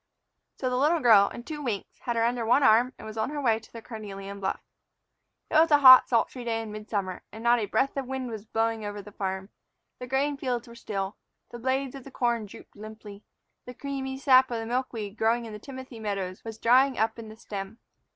So the little girl, in two winks, had her under one arm and was on her way to the carnelian bluff. It was a hot, sultry day in midsummer, and not a breath of wind was blowing over the farm. The grain fields were still. The blades of the corn drooped limply. The creamy sap of the milkweed growing in the timothy meadow was drying up in the stem.